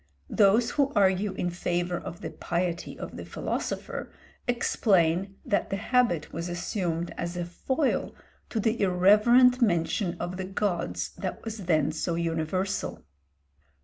Those who argue in favour of the piety of the philosopher, explain that the habit was assumed as a foil to the irreverent mention of the gods that was then so universal.